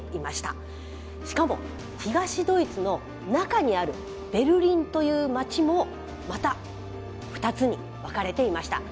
しかも東ドイツの中にあるベルリンという街もまた２つに分かれていました。